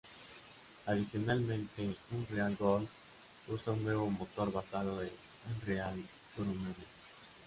Adicionalmente, "Unreal Gold" usa un nuevo motor basado en Unreal Tournament.